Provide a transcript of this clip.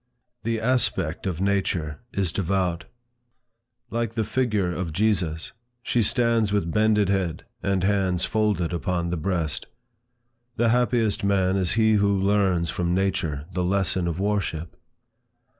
The aspect of nature is devout. Like the figure of Jesus, she stands with bended head, and hands folded upon the breast. The happiest man is he who learns from nature the lesson of worship.